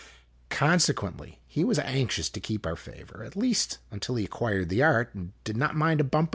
Con sequently he was anxious to keep our favor, at least until he acquired the art, and did not mind a bump or two.